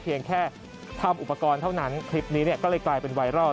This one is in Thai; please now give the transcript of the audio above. เพียงแค่ทำอุปกรณ์เท่านั้นคลิปนี้ก็เลยกลายเป็นไวรัล